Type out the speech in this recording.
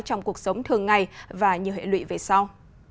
trong cuộc sống thường ngày và nhiều hệ lụy về sau